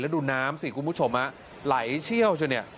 แล้วดูน้ำสิคุณผู้ชมไหลเชี่ยวชนเนี่ย